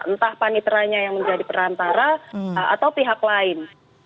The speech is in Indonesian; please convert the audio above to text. entah paniteranya yang menjadi perantara atau pihak lain